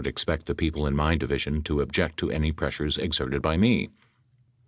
547 expect the people in my division to object to any pressures exerted by me.